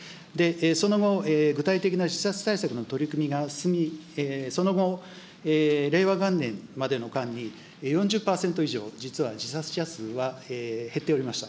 その後、具体的な自殺対策の取り組みが進み、その後、令和元年までの間に、４０％以上、実は自殺者数は減っておりました。